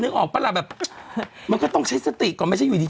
ออกปะล่ะแบบมันก็ต้องใช้สติก่อนไม่ใช่อยู่ดี